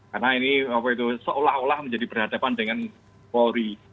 karena ini seolah olah menjadi berhadapan dengan polri